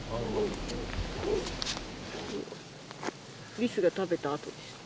リスが食べた跡ですね。